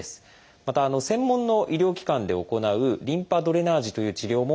また専門の医療機関で行う「リンパドレナージ」という治療もあります。